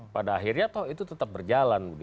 pada akhirnya toh itu tetap berjalan